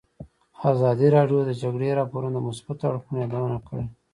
ازادي راډیو د د جګړې راپورونه د مثبتو اړخونو یادونه کړې.